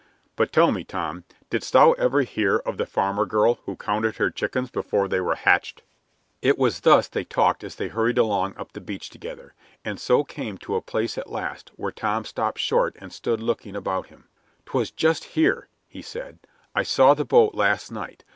But tell me, Tom, didst thou ever hear of the farmer girl who counted her chickens before they were hatched?" It was thus they talked as they hurried along up the beach together, and so came to a place at last where Tom stopped short and stood looking about him. "'Twas just here," he said, "I saw the boat last night.